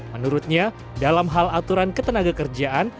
menurutnya dalam hal aturan ketenaga kerjaan